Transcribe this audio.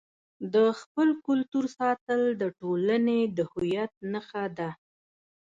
د خپل کلتور ساتل د ټولنې د هویت نښه ده.